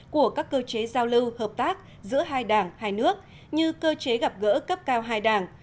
của các cơ chế giao lưu hợp tác giữa hai đảng hai nước như cơ chế gặp gỡ cấp cao hai đảng